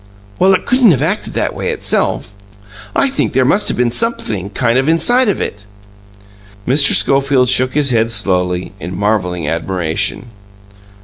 Well, it couldn't have acted that way itself. I think there must have been sumpthing kind of inside of it!" Mr. Schofield shook his head slowly, in marvelling admiration.